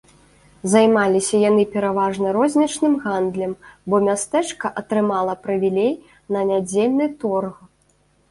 Займаліся яны пераважна рознічным гандлем, бо мястэчка атрымала прывілей на нядзельны торг.